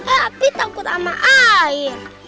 api takut sama air